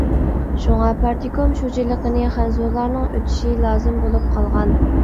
شۇڭا پارتكوم شۇجىلىقىنى خەنزۇلارنىڭ ئۆتۈشى لازىم بولۇپ قالغان.